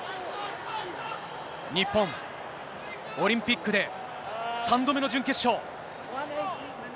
日本、オリンピックで３度目の準決勝。